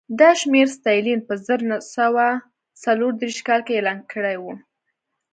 دا شمېر ستالین په زر نه سوه څلور دېرش کال کې اعلان کړی و